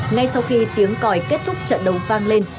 ngay sau khi tiếng còi kết thúc trận đấu vang lên